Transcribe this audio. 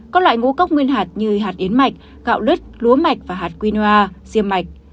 có loại ngũ cốc nguyên hạt như hạt yến mạch gạo đứt lúa mạch và hạt quinoa xiêm mạch